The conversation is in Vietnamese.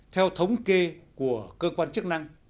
theo thống kê của cơ quan chức năng